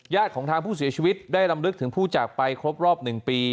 ของทางผู้เสียชีวิตได้ลำลึกถึงผู้จากไปครบรอบ๑ปี